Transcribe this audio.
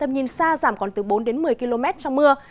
nhìn xa giảm còn từ bốn một mươi km trong mưa